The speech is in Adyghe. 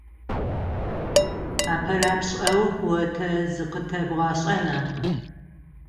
АпэрапшӀэу о тэ зыкъытэбгъэшӀэна ?